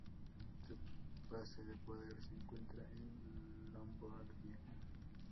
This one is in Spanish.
Su base de poder se encuentra en Lombardía.